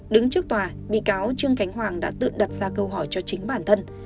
đứng trước tòa bị cáo trương khánh hoàng đã tự đặt ra câu hỏi cho chính bản thân